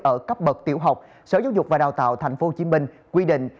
ở cấp bậc tiểu học sở giáo dục và đào tạo thành phố hồ chí minh quy định